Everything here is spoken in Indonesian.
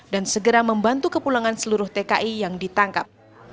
dan segera membantu kepulangan seluruh tki yang ditangkap